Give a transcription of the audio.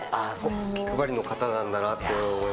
気配りの方なんだなって思い